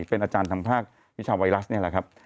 เป็นอาจารย์ทางภาควิชาไวรัสนี่แหละครับ